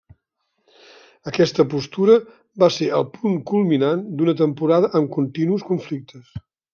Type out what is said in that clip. Aquesta postura va ser el punt culminant d'una temporada amb continus conflictes.